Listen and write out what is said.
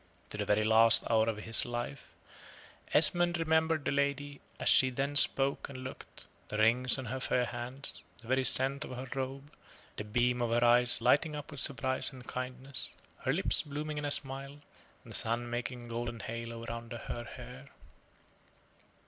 To the very last hour of his life, Esmond remembered the lady as she then spoke and looked, the rings on her fair hands, the very scent of her robe, the beam of her eyes lighting up with surprise and kindness, her lips blooming in a smile, the sun making a golden halo round her hair.